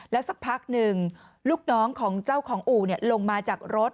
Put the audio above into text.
สักพักหนึ่งลูกน้องของเจ้าของอู่ลงมาจากรถ